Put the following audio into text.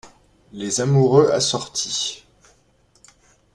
Les amoureux assortis